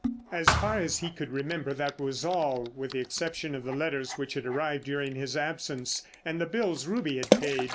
As far as he could remember that was all, with the exception of the letters which had arrived during his absence and the bills Ruby had paid.